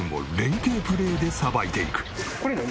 これ何？